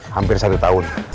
hampir satu tahun